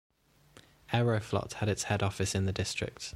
Aeroflot has its head office in the district.